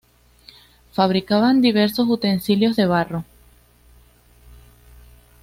Fabricaban diversos utensilios de barro.